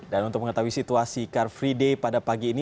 untuk mengetahui situasi car free day pada pagi ini